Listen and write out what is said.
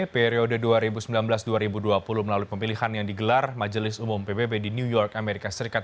periode dua ribu sembilan belas dua ribu dua puluh melalui pemilihan yang digelar majelis umum pbb di new york amerika serikat